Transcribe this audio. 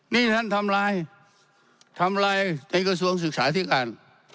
นี่ท่านทำลายทำลายในกระทรวงศึกษาธิการ